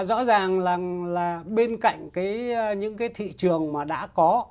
rõ ràng là bên cạnh những cái thị trường mà đã có